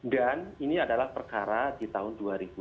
dan ini adalah perkara di tahun dua ribu sebelas